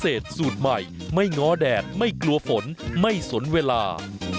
สวัสดีครับข้าวใส่ไทยสดไม่เงาะแดดไม่กลัวฝนไม่สนเวลา